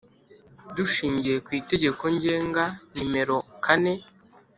Dushingiye ku Itegeko Ngenga nimero kane